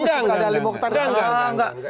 enggak enggak enggak